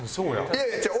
いやいや違う。